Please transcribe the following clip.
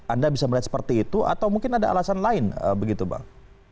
anda bisa melihat seperti itu atau mungkin ada alasan lain begitu bang